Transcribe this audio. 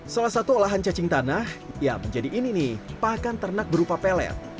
salah satu olahan cacing tanah ya menjadi ini nih pakan ternak berupa pelet